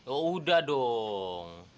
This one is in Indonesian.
oh udah dong